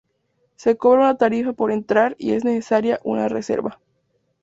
Se cobra una tarifa por entrar, y es necesaria una reserva.